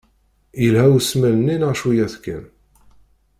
Yelha usmel-nni neɣ cwiya-t kan?